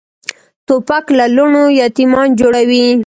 توپک له لوڼو یتیمان جوړوي.